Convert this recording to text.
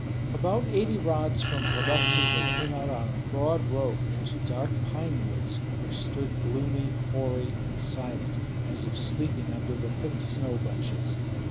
About eighty rods from Vodokty they came out on a broad road into dark pine woods which stood gloomy, hoary, and silent as if sleeping under the thick snow bunches.